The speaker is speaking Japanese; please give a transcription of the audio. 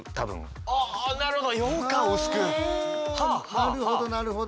あなるほど。